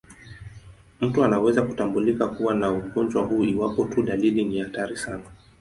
Mtu anaweza kutambulika kuwa na ugonjwa huu iwapo tu dalili ni hatari sana.